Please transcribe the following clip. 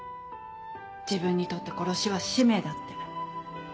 自分にとって殺しは使命だって。